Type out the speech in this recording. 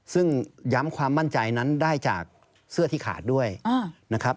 ซึ่งย้ำความมั่นใจนั้นได้จากเสื้อที่ขาดด้วยนะครับ